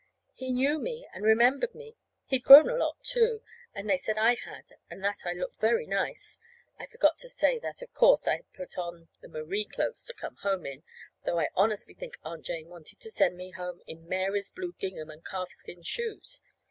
He knew me, and remembered me. He'd grown a lot, too. And they said I had, and that I looked very nice. (I forgot to say that, of course, I had put on the Marie clothes to come home in though I honestly think Aunt Jane wanted to send me home in Mary's blue gingham and calfskin shoes.